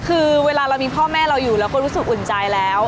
คือเวลาเรามีพ่อแม่เราอยู่เราก็รู้สึกอุ่นใจแล้ว